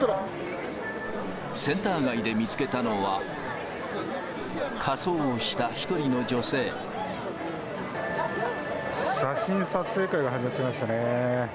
センター街で見つけたのは、写真撮影会が始まっちゃいましたね。